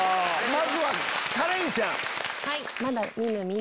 まずはカレンちゃん。